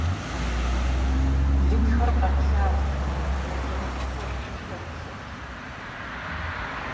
Блынхэр къэчат, якӀэрылъ сэхури фэншэт.